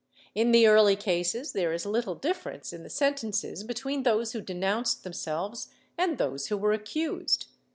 In the early cases there is little difference in the sentences between those who denounced themselves and those who were accused.